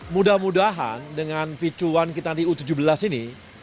mudah mudahan dengan picuan kita di u tujuh belas ini